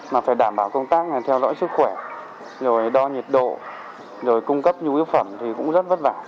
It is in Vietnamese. mà phải đảm bảo công tác theo dõi sức khỏe rồi đo nhiệt độ rồi cung cấp nhu yếu phẩm thì cũng rất vất vả